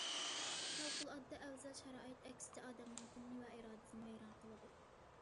پەۋقۇلئاددە ئەۋزەل شارائىت ئەكسىچە ئادەمنىڭ تېنىنى ۋە ئىرادىسىنى ۋەيران قىلىدۇ.